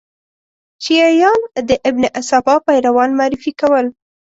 شیعیان د ابن سبا پیروان معرفي کول.